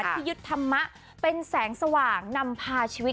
ที่ยึดธรรมะเป็นแสงสว่างนำพาชีวิต